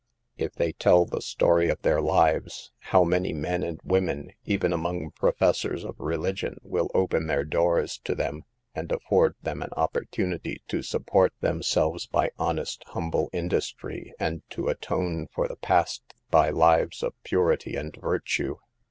If they tell the story of their lives, how many men or women, even among profes sors of religion, will open their doors to them and afford them an opportunity to support themselves by honest t humble industry, and to atone for the past by lives of purity and vir tue